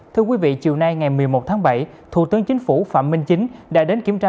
thưa quý vị chiều nay ngày một mươi một tháng bảy thủ tướng chính phủ phạm minh chính đã đến kiểm tra